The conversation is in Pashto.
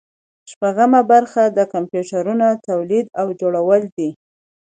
شپږمه برخه د کمپیوټرونو تولید او جوړول دي.